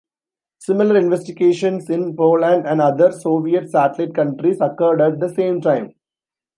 Similar investigations in Poland and other Soviet satellite countries occurred at the same time.